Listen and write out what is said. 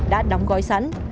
đã đóng gói sẵn